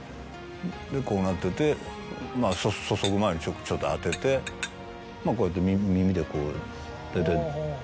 でこうなってて注ぐ前にちょっと当ててこうやって耳でこう。